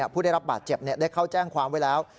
ผู้ได้รับบาดเจ็บได้เข้าแจ้งความไว้แล้ว